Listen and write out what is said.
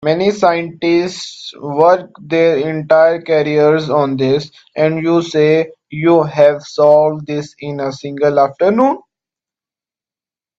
Many scientists work their entire careers on this, and you say you have solved this in a single afternoon?